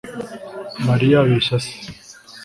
Mariya abeshya se